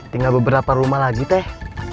tinggal beberapa rumah lagi teh